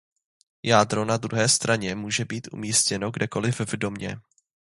Jádro na druhé straně může být umístěno kdekoliv v domě.